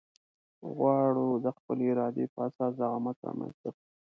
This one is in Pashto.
غواړو د خپلې ارادې په اساس زعامت رامنځته کړو.